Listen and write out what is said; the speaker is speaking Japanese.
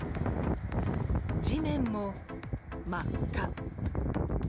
地面も真っ赤。